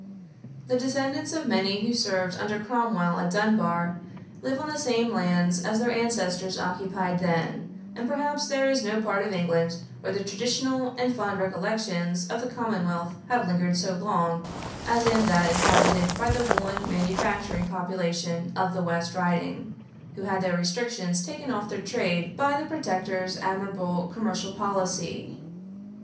The descendants of many who served under Cromwell at Dunbar, live on the same lands as their ancestors occupied then; and perhaps there is no part of England where the traditional and fond recollections of the Commonwealth have lingered so long as in that inhabited by the woollen manufacturing population of the West Riding, who had the restrictions taken off their trade by the Protector's admirable commercial policy.